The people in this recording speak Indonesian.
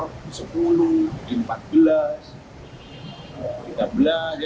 jadi tribun tribun ekonomi biasanya ngeflare